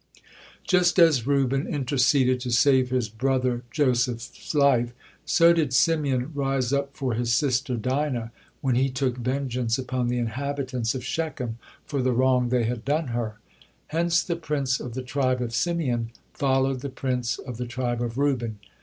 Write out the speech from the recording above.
Just as Reuben interceded to save his brother Joseph's life so did Simeon rise up for his sister Dinah when he took vengeance upon the inhabitants of Shechem for the wrong they had done her. Hence the prince of the tribe of Simeon followed the prince of the tribe of Reuben.